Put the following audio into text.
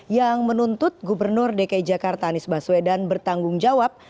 yang menuntut gubernur dki jakarta anies baswedan bertanggung jawab